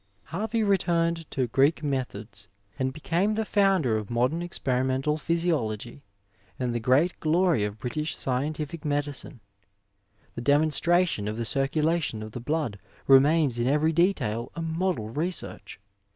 (Pajme.) Harvey returned to Greek methods and became the founder of modem ex perimental physiology and the great glory of British scientific medicine. The demonstration of the circulation of the blood remains in every detail a model research.